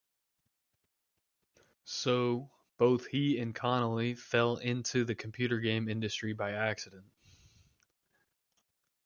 So, both he and Connelley, "fell into" the computer game industry by accident.